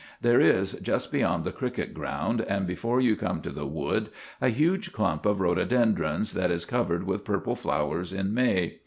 There is, just beyond the cricket ground, and before you come to the wood, a huge clump of rhododendrons that is covered with purple flowers in May.